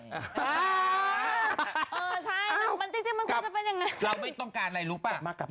เราไม่ต้องการอะไรรู้ป่ะ